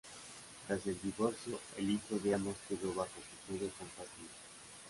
Tras el divorcio, el hijo de ambos quedó bajo custodia compartida.